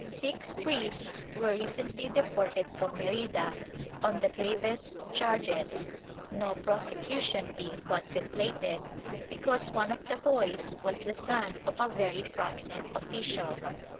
Six priests were recently deported from Merida on the gravest charges: no prosecution being contemplated because one of the boys was the son of a very prominent official.